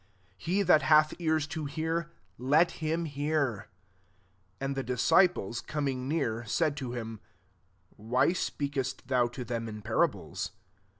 9 He that hath ears to hear, let him hear.*' 10 And the disciples coming near, said to him, ^ Whyspeak est thou to them in parables